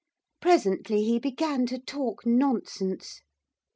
Presently he began to talk nonsense.